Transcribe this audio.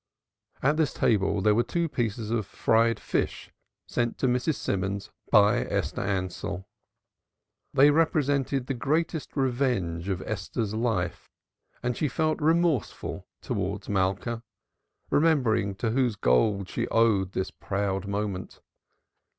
At this table there were two pieces of fried fish sent to Mrs. Simons by Esther Ansell. They represented the greatest revenge of Esther's life, and she felt remorseful towards Malka, remembering to whose gold she owed this proud moment.